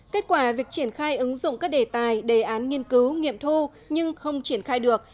kết quả việc triển khai ứng dụng các đề tài đề án nghiên cứu nghiệm thu nhưng không triển khai được